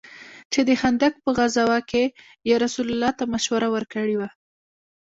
چې د خندق په غزوه كښې يې رسول الله ته مشوره وركړې وه.